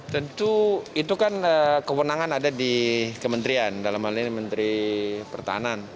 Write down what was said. tentu itu kan kewenangan ada di kementerian dalam hal ini menteri pertahanan